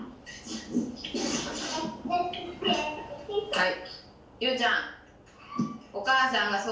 はい。